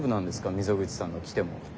溝口さんが来ても。